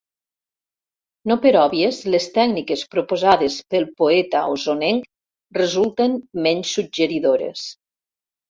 No per òbvies les tècniques proposades pel poeta osonenc resulten menys suggeridores.